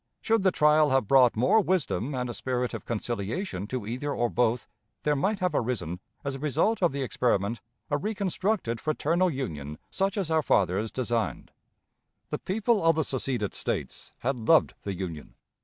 Should the trial have brought more wisdom and a spirit of conciliation to either or both, there might have arisen, as a result of the experiment, a reconstructed fraternal Union such as our fathers designed. The people of the seceded States had loved the Union.